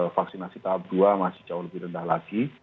vaksinasi tahap dua masih jauh lebih rendah lagi